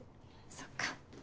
そっか。